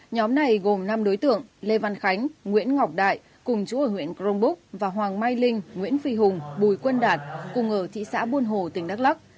nhóm này gồm năm đối tượng lê văn khánh nguyễn ngọc đại cùng chú ở huyện crong búc và hoàng mai linh nguyễn phi hùng bùi quân đạt cùng ở thị xã buôn hồ tỉnh đắk lắc